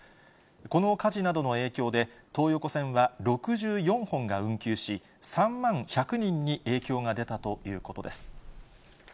この火事などの影響で、東横線は６４本が運休し、３万１００人に影響が出たということです。